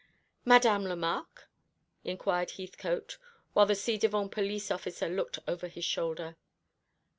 "Madame Lemarque?" inquired Heathcote, while the ci devant police officer looked over his shoulder.